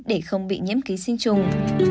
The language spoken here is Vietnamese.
để không bị nhiễm ký sinh trùng